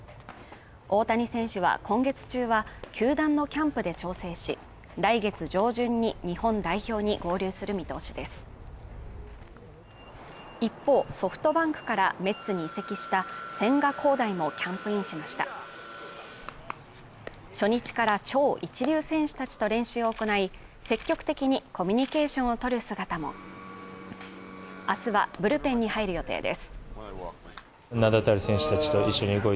大谷選手は今月中は球団のキャンプで調整し来月上旬に日本代表に合流する見通しです一方ソフトバンクからメッツに移籍した千賀滉大もキャンプインしました初日から超一流選手たちと練習を行い積極的にコミュニケーションを取る姿も明日はブルペンに入る予定です